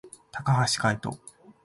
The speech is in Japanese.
高橋海人